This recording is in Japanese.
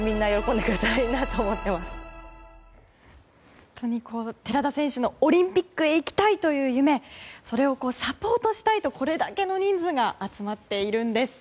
本当に寺田選手のオリンピックへ行きたいという夢それをサポートしたいとこれだけの人数が集まっているんです。